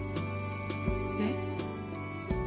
えっ？